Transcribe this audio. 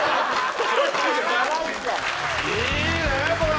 いいねこれ！